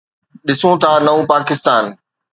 ڏسون ٿا نئون پاڪستان.